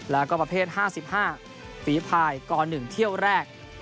แล้วก็ประเภท๕๕ฝีภายก๑เที่ยวแรก